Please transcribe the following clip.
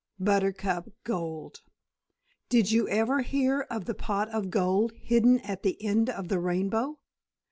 Buttercup Gold Did you ever hear of the pot of gold hidden at the end of the rainbow?